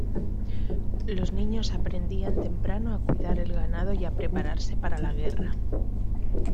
Los niños aprendían temprano a cuidar el ganado y a prepararse para la guerra.